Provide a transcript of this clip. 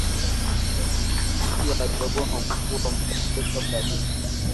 Ugonjwa wa ndorobo huchukua muda mrefu kabla ya kifo